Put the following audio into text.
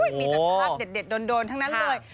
มีแต่ภาพเด็ดโดนทั้งนั้นเลย